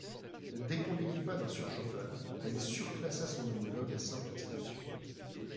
Dès qu'on l'équipa d'un surchauffeur, elle surclassa son homologue à simple expansion.